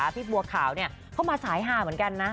พี่บัวขาวเข้ามาสายหาเหมือนกันนะ